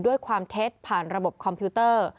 ความเท็จผ่านระบบคอมพิวเตอร์